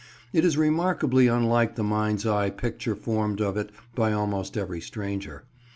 It is remarkably unlike the mind's eye picture formed of it by almost every stranger.